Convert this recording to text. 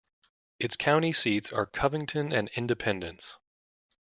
Its county seats are Covington and Independence.